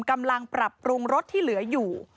กำลังปรับปรุงรถที่เหลืออยู่